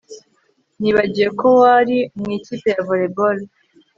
Nibagiwe ko wari mu ikipe ya volley ball